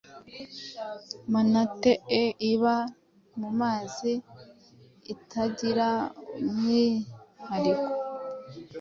manatee iba mu mazi ikagira umwihariko